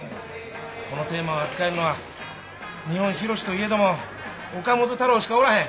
このテーマを扱えるのは日本広しといえども岡本太郎しかおらへん。